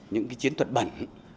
những cái chiến thuật bẩn